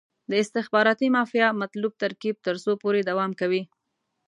د استخباراتي مافیا مطلوب ترکیب تر څو پورې دوام کوي.